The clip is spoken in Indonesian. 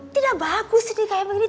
tidak bagus sih nih kayak begini nih